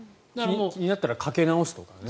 気になったらかけ直すとかね。